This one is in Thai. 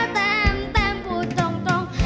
แท่มแท่มพูดตรงตรง